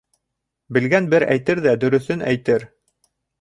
Белгән бер әйтер ҙә дөрөҫөн әйтер.